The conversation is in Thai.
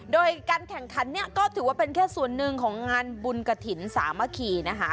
โดยการแข่งขันเนี่ยก็ถือว่าเป็นแค่ส่วนหนึ่งของงานบุญกระถิ่นสามัคคีนะคะ